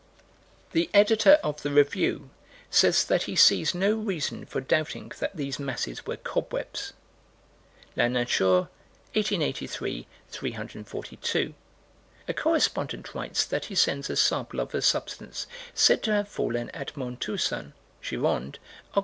The Editor of the Review says that he sees no reason for doubting that these masses were cobwebs. La Nature, 1883 342: A correspondent writes that he sends a sample of a substance said to have fallen at Montussan (Gironde), Oct.